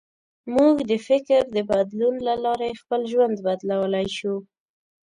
موږ د فکر د بدلون له لارې خپل ژوند بدلولی شو.